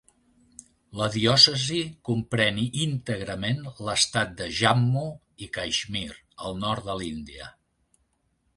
La diòcesi comprèn íntegrament l'estat de Jammu i Caixmir, al nord de l'Índia.